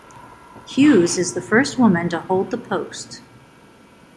Hughes is the first woman to hold the post.